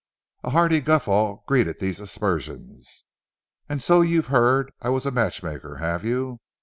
A hearty guffaw greeted these aspersions. "And so you've heard I was a matchmaker, have you?